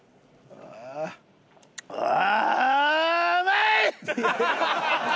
ああ。